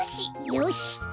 よし！